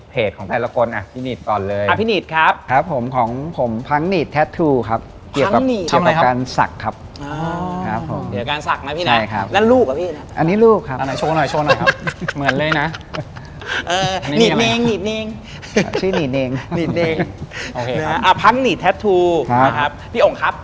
พี่อ่งครับ